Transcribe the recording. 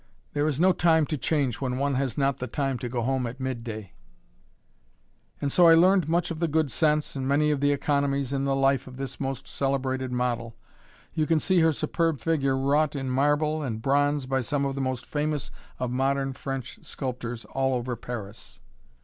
There is no time to change when one has not the time to go home at mid day." [Illustration: JEAN PAUL LAURENS] And so I learned much of the good sense and many of the economies in the life of this most celebrated model. You can see her superb figure wrought in marble and bronze by some of the most famous of modern French sculptors all over Paris.